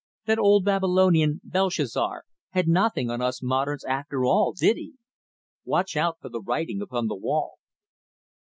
That old Babylonian, Belshazzar, had nothing on us moderns after all, did he? Watch out for the writing upon the wall."